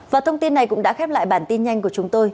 và thông tin này cũng đã khép lại bản tin nhanh của chúng tôi